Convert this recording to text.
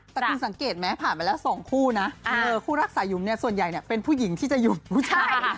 แต่คุณสังเกตไหมผ่านไปแล้ว๒คู่นะคู่รักสายุมเนี่ยส่วนใหญ่เป็นผู้หญิงที่จะอยู่ผู้ชาย